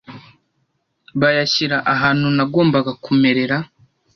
bayashyira ahantu nagomba kumerera